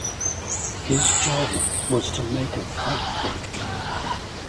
His job was to make a fight for it.